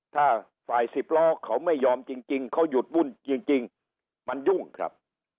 ถ้าฝ่ายสิบล้อเขาไม่ยอมจริงเขาหยุดวุ่นจริงมันยุ่งครับ